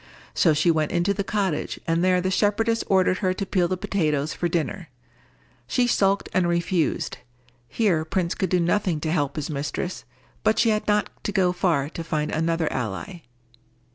So she went into the cottage, and there the shepherdess ordered her to peel the potatoes for dinner. She sulked and refused. Here Prince could do nothing to help his mistress, but she had not to go far to find another ally.